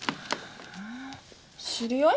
知り合い？